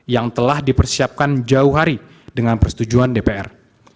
yang telah dipersiapkan jauh hari dengan persetujuan dpr